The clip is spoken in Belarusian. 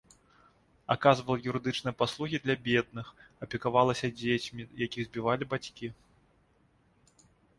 Аказвала юрыдычныя паслугі для бедных, апекавалася дзецьмі, якіх збівалі бацькі.